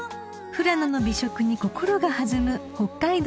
［富良野の美食に心が弾む北海道の空旅です］